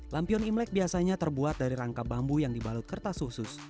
lampion imlek biasanya terbuat dari rangka bambu yang dibalut kertas khusus